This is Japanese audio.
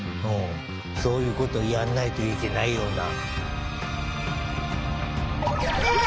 そういうことをやんないといけないような。